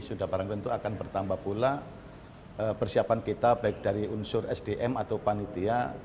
sudah barang tentu akan bertambah pula persiapan kita baik dari unsur sdm atau panitia